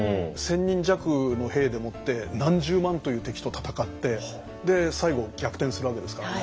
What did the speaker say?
１，０００人弱の兵でもって何十万という敵と戦って最後逆転するわけですから。